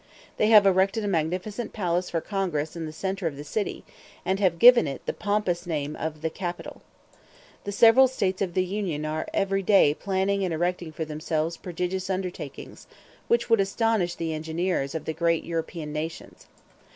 They have erected a magnificent palace for Congress in the centre of the city, and have given it the pompous name of the Capitol. The several States of the Union are every day planning and erecting for themselves prodigious undertakings, which would astonish the engineers of the great European nations.